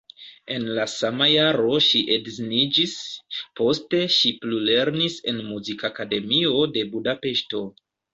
En la sama jaro ŝi edziniĝis, poste ŝi plulernis en Muzikakademio de Budapeŝto.